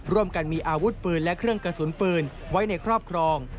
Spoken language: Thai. ร่วมกันมีอาวุธปืนและเครื่องกระสุนปืนไว้ในครอบครอง